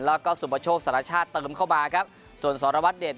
แล้วก็สุปโชคสารชาติเติมเข้ามาครับส่วนสรวัตรเดช